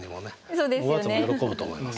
そうですよね！